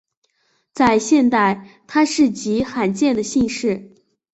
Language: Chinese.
在现代它是极罕见的姓氏。